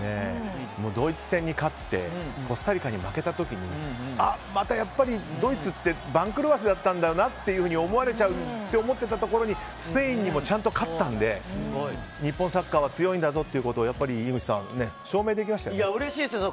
ドイツ戦に勝ってコスタリカに負けた時にまたやっぱりドイツって番狂わせだったんだなと思われちゃうって思ってたところにスペインにもちゃんと勝ったので日本サッカーは強いんだぞということを井口さん、証明できましたよね。